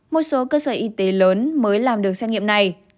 một số cơ sở y tế lớn mới làm được xét nghiệm này